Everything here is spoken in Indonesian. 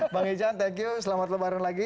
bang ijan thank you selamat lebaran lagi